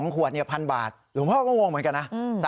ขวด๑๐๐บาทหลวงพ่อก็งงเหมือนกันนะ